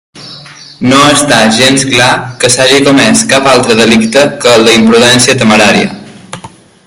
No està gens clar que s'hagi comés cap altre delicte que el d'imprudència temerària.